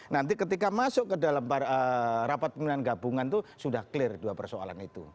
nanti ketika masuk ke dalam rapat pemilihan gabungan itu sudah clear dua persoalan itu